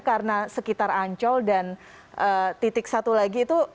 karena sekitar ancol dan titik satu lagi itu